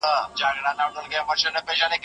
څه شی د کورنیو ملاتړ کوي؟